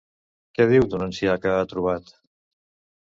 Què diu d'un ancià que ha trobat?